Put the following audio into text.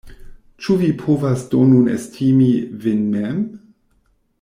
Ĉu vi povas do nun estimi vin mem?